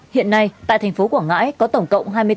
hiện nay tại thành phố quảng ngãi